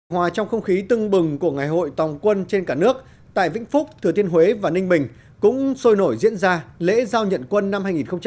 hòa trong không khí tưng bừng của ngày hội tòng quân trên cả nước tại vĩnh phúc thừa thiên huế và ninh bình cũng sôi nổi diễn ra lễ giao nhận quân năm hai nghìn hai mươi